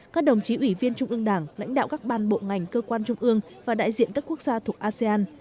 các đồng chí ủy viên trung ương đảng lãnh đạo các ban bộ ngành cơ quan trung ương và đại diện các quốc gia thuộc asean